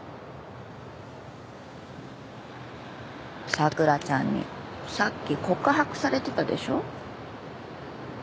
桜ちゃんにさっき告白されてたでしょ？